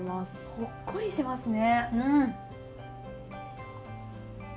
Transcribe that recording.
ほっこりしますね。